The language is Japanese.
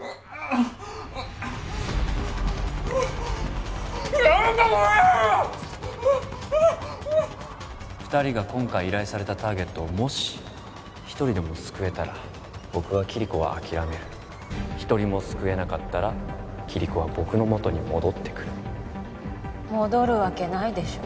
あっあっあっ二人が今回依頼されたターゲットをもし一人でも救えたら僕はキリコを諦める一人も救えなかったらキリコは僕のもとに戻ってくる戻るわけないでしょ